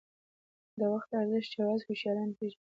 • د وخت ارزښت یوازې هوښیاران پېژني.